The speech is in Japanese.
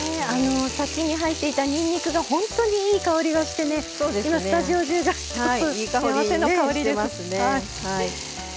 先に入っていたにんにくで本当にいい香りがして今、スタジオ中が幸せな香りです。